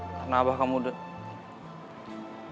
karena abah kamu udah